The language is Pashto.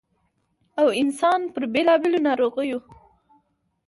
٫ او انسـان پـر بېـلابېـلو نـاروغـيو